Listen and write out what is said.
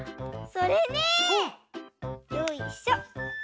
それねよいしょ。